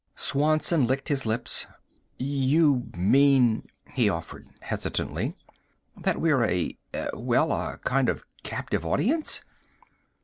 Swanson licked his lips. "You mean," he offered hesitantly, "that we're a well, a kind of captive audience?"